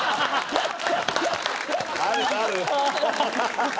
あるある！